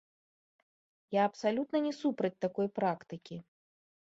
Я абсалютна не супраць такой практыкі.